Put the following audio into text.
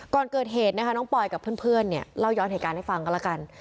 ก่อนเกิดเหตุนะคะน้องปอยกับเพื่อนเนี่ยเล่าย้อนเหตุการณ์ให้ฟังกันแล้วกัน